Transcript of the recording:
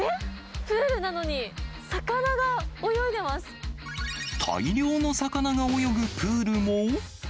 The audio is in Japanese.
プールなのに、魚が泳い大量の魚が泳ぐプールも。